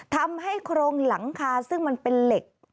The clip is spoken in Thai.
โครงหลังคาซึ่งมันเป็นเหล็ก